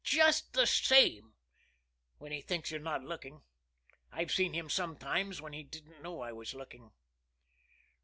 "Just the same when he thinks you're not looking. I've seen him sometimes when he didn't know I was looking."